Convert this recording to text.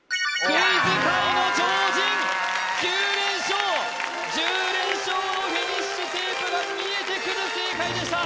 クイズ界の超人９連勝１０連勝のフィニッシュテープが見えてくる正解でした・